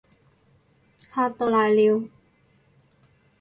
嚇到瀨尿